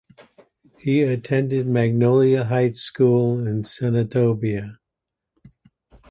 He attended Magnolia Heights School in Senatobia.